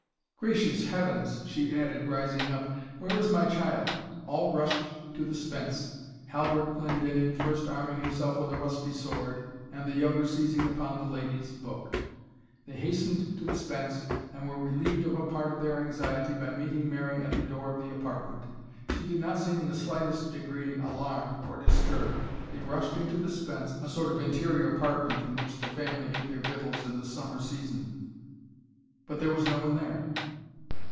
"Gracious heavens!" she added, rising up, "where is my child?" All rushed to the spence, Halbert Glendinning first arming himself with a rusty sword, and the younger seizing upon the lady's book. They hastened to the spence, and were relieved of a part of their anxiety by meeting Mary at the door of the apartment. She did not seem in the slightest degree alarmed, or disturbed. They rushed into the spence, (a sort of interior apartment in which the family ate their victuals in the summer season,) but there was no one there.